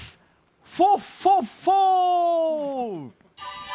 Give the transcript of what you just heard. フォッフォッフォー！